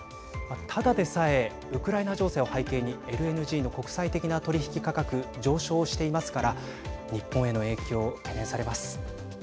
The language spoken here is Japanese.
ただでさえウクライナ情勢を背景にＬＮＧの国際的な取り引き価格上昇していますから日本への影響、懸念されます。